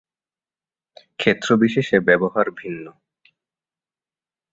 ক্ষেত্র বিশেষে ব্যবহার ভিন্ন।